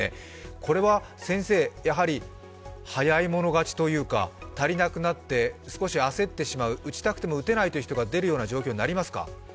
これは早い者勝ちというか、足りなくなって少し焦ってしまう打ちたくても打てないという状況が出るようになりますか？